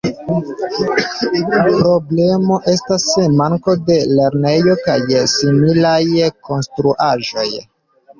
Problemo estas manko de lernejo kaj similaj konstruaĵoj.